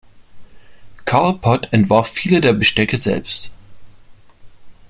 Carl Pott entwarf viele der Bestecke selbst.